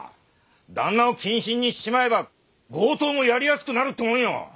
旦那を謹慎にしちまえば強盗もやりやすくなるってもんよ！